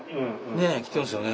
ねえきてますよね